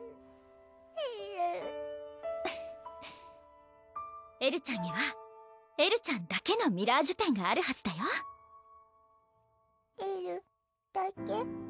えるぅエルちゃんにはエルちゃんだけのミラージュペンがあるはずだよえるだけ？